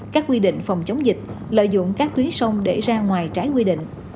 các quy định phòng chống dịch lợi dụng các tuyến sông để ra ngoài trái quy định